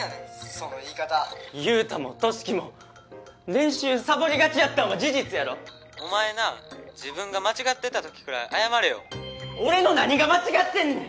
その言い方裕太も俊樹も練習さぼりがちやったんは事実やろお前なぁ自分が間違ってた時くらい謝れよ俺の何が間違ってんねん！